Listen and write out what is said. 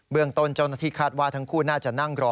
เมืองต้นเจ้าหน้าที่คาดว่าทั้งคู่น่าจะนั่งรอ